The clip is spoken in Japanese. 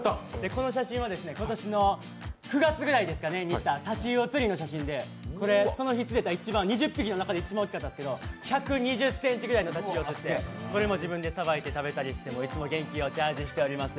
この写真は今年の９月くらいに行ったタチウオ釣りの写真で、その日釣れた２０匹の中で一番大きかったんですけど、１２０ｃｍぐらいの太刀魚ですけどこれも自分でさばいて食べたりしていつも元気をチャージしております。